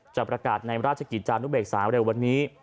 จะประกาศในราชกิจจานุเบกษาเร็ววันนี้